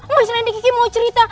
mas lendi kiki mau cerita